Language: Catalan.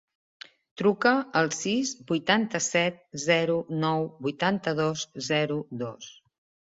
Truca al sis, vuitanta-set, zero, nou, vuitanta-dos, zero, dos.